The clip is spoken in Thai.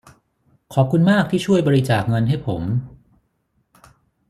ขอบคุณมากที่ช่วยบริจาคเงินให้ผม